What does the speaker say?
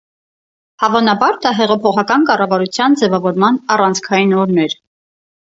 Հավանաբար, դա հեղափոխական կառավարության ձևավորման առանցքային օրն էր։